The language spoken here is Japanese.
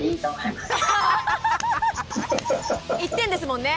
１点ですもんね。